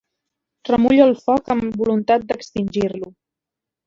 Remullo el foc amb voluntat d'extingir-lo.